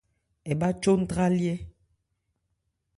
Ɛ bhá chó ntrályɛ́.